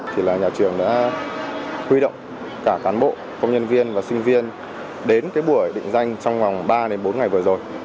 thì là nhà trường đã huy động cả cán bộ công nhân viên và sinh viên đến cái buổi định danh trong vòng ba đến bốn ngày vừa rồi